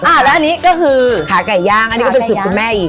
แล้วอันนี้ก็คือขาไก่ย่างอันนี้ก็เป็นสูตรคุณแม่อีก